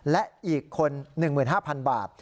และอีกคน๑๕๐๐๐บาท